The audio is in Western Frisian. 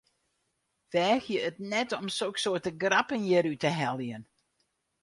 Weagje it net om soksoarte grappen hjir út te heljen!